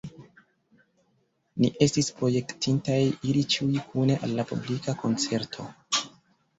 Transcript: Ni estis projektintaj iri ĉiuj kune al la publika koncerto.